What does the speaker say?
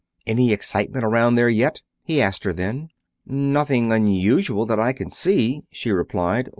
"Any excitement around there yet?" he asked her then. "Nothing unusual that I can see," she replied.